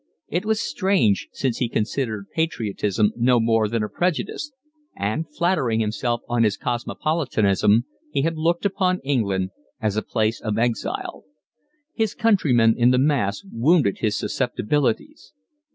It was strange, since he considered patriotism no more than a prejudice, and, flattering himself on his cosmopolitanism, he had looked upon England as a place of exile. His countrymen in the mass wounded his susceptibilities.